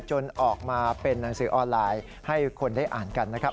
จนออกมาเป็นหนังสือออนไลน์ให้คนได้อ่านกันนะครับ